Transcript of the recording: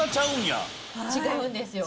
違うんですよ。